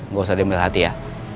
gak usah diambil hati ya